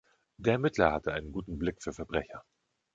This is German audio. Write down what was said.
Der Ermittler hatte einen guten Blick für Verbrecher.